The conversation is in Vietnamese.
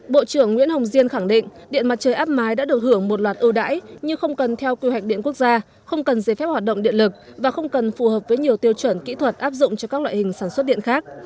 bộ trưởng nguyễn hồng diên khẳng định điện mặt trời áp mái đã được hưởng một loạt ưu đãi như không cần theo quy hoạch điện quốc gia không cần giấy phép hoạt động điện lực và không cần phù hợp với nhiều tiêu chuẩn kỹ thuật áp dụng cho các loại hình sản xuất điện khác